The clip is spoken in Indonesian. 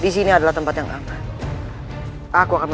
suara kita menarik oxeni